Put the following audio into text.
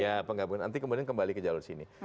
iya penggabungan nanti kembali ke jalur sini